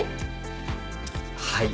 はい。